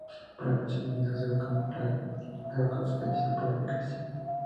Por la noche, Miles observa como Claire se va con su fallecido padre Christian.